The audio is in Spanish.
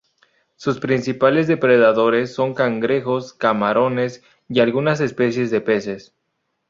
Sus principales depredadores son cangrejos, camarones y algunas especies de peces.